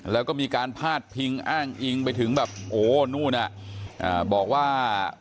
แล้วก็มีการพาดพิงอ้างอิงไปถึงแบบโอ้นู่นบอกว่า